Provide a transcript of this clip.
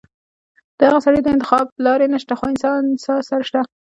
د هغه سره د انتخاب لارې نشته خو د انسان سره شته -